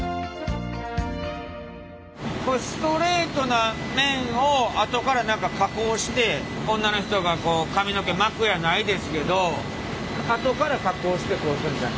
こういうストレートな麺をあとから加工して女の人がこう髪の毛巻くやないですけどあとから加工してこういうふうになる。